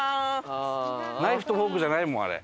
ナイフとフォークじゃないもんあれ。